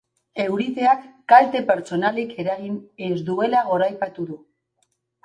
Euriteak kalte pertsonalik eragin ez duela goraipatu du.